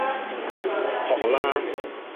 學我啦